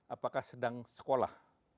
apakah sedang sekolah